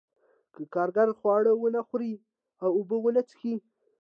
که کارګر خواړه ونه خوري او اوبه ونه څښي